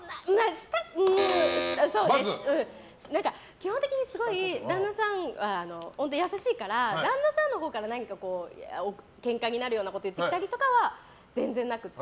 基本的にすごい旦那さんは優しいから、旦那さんのほうからけんかになるようなこと言ってきたりとかは全然なくて。